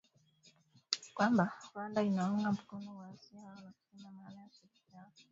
kwamba Rwanda inaunga mkono waasi hao na kusema maana ya ushirikiano na jirani